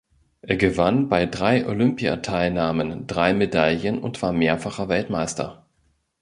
Er gewann bei drei Olympiateilnahmen drei Medaillen und war mehrfacher Weltmeister.